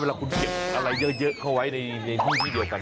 เวลาคุณเก็บอะไรเยอะเข้าไว้ในที่ที่เดียวกัน